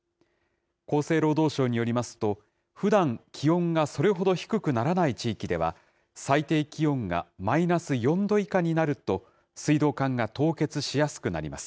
厚生労働省によりますと、ふだん気温がそれほど低くならない地域では、最低気温がマイナス４度以下になると、水道管が凍結しやすくなります。